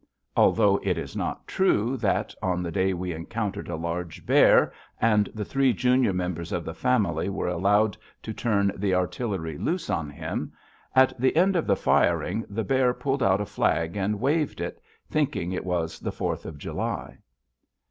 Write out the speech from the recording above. Although it is not true that, on the day we encountered a large bear, and the three junior members of the family were allowed to turn the artillery loose on him, at the end of the firing the bear pulled out a flag and waved it, thinking it was the Fourth of July.